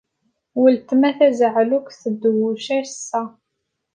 Wetma tazeɛlukt ttduwec ač ass.